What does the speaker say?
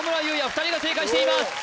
２人が正解しています